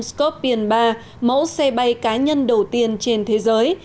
scotpion ba mẫu xe bay cá nhân đầu tiên trên thế giới